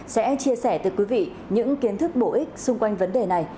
sẽ chia sẻ từ quý vị những kiến thức bổ ích xung quanh vấn đề này